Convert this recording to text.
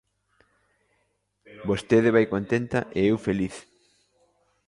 Vostede vai contenta e eu feliz.